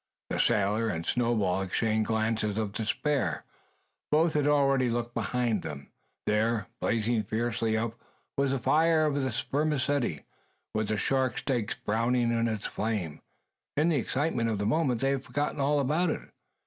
The sailor and Snowball exchanged glances of despair. Both had already looked behind them. There, blazing fiercely up, was the fire of spermaceti, with the shark steaks browning in its flame. In the excitement of the moment they had forgotten all about it.